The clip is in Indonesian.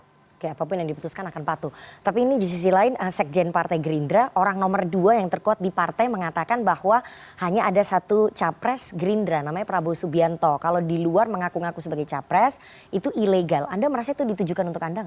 oke apapun yang diputuskan akan patuh tapi ini di sisi lain sekjen partai gerindra orang nomor dua yang terkuat di partai mengatakan bahwa hanya ada satu capres gerindra namanya prabowo subianto kalau di luar mengaku ngaku sebagai capres itu ilegal anda merasa itu ditujukan untuk anda